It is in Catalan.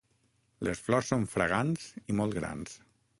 Les flors són fragants i molt grans.